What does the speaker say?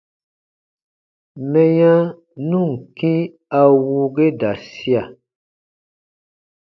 Mɛya nu ǹ kĩ a wuu ge da sia.